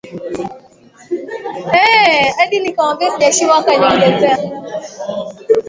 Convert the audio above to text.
Hatua za kufuata unapokaanga viazi lishe